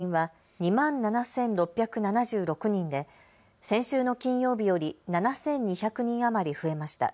新型コロナ、都内の感染確認は２万７６７６人で先週の金曜日より７２００人余り増えました。